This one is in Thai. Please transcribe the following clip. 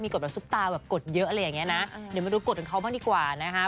กฎแบบซุปตาแบบกดเยอะอะไรอย่างเงี้ยนะเดี๋ยวมาดูกฎของเขาบ้างดีกว่านะคะ